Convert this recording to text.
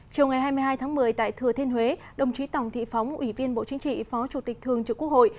chiều ngày hai mươi hai tháng một mươi tại thừa thiên huế đồng chí tổng thị phóng ủy viên bộ chính trị phó chủ tịch thường trực quốc hội